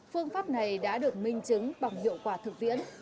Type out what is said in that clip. phương pháp này đã được minh chứng bằng hiệu quả thực tiễn